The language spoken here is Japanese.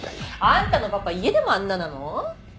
あんたのパパ家でもあんななの？